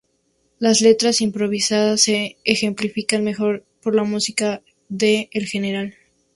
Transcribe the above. Las letras improvisadas se ejemplifican mejor por la música de El General.